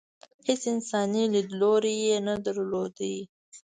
هېڅ انساني لیدلوری یې نه درلود.